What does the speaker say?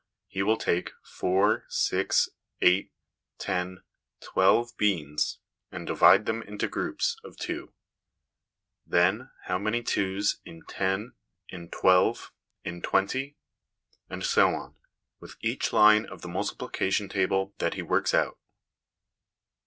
he will take 4, 6, 8, 10, 12 beans, and divide them into groups of two: then, how many twos in 10, in 12, in 20? And so on, with each line of the multiplication table that he works out.